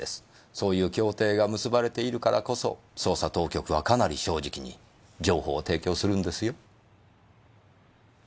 そういう協定が結ばれているからこそ捜査当局はかなり正直に情報を提供するんですよ。